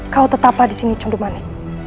kau tetaplah di sini cendermanik